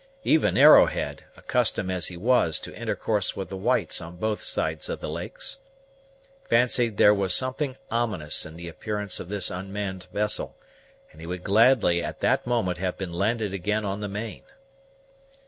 Even Arrowhead, accustomed as he was to intercourse with the whites on both sides of the lakes, fancied there was something ominous in the appearance of this unmanned vessel, and he would gladly at that moment have been landed again on the main.